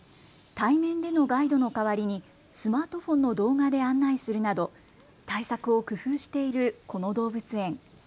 対面でのガイドの代わりにスマートフォンの動画で案内するなど対策を工夫している、この動物園。